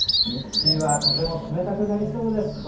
日中は風も冷たくなりそうです。